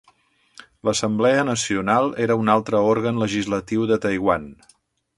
L'Assemblea Nacional era un altre òrgan legislatiu de Taiwan.